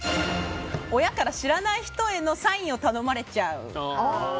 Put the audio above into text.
親から知らない人へのサインを頼まれちゃう。